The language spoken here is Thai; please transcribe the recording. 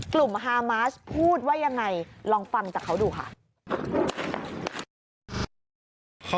ฮามาสพูดว่ายังไงลองฟังจากเขาดูค่ะ